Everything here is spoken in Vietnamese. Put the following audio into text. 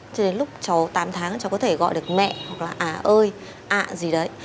cho đến lúc cháu tám tháng cháu có thể gọi được mẹ hoặc là à ơi à gì đấy